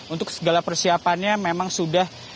untuk segala persiapannya memang sudah